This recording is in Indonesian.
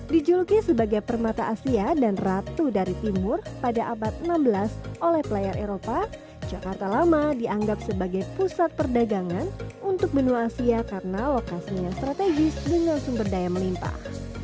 dijuluki sebagai permata asia dan ratu dari timur pada abad enam belas oleh player eropa jakarta lama dianggap sebagai pusat perdagangan untuk benua asia karena lokasinya strategis dengan sumber daya melimpah